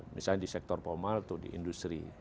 misalnya di sektor formal atau di industri